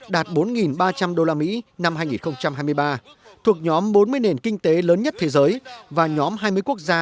đạt bốn ba trăm linh usd năm hai nghìn hai mươi ba thuộc nhóm bốn mươi nền kinh tế lớn nhất thế giới và nhóm hai mươi quốc gia